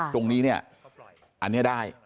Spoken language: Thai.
ตรงนี้เนี่ยอันนี้ได้